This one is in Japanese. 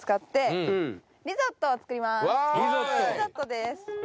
リゾットです